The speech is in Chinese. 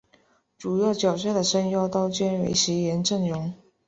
主要角色的声优都将维持原阵容。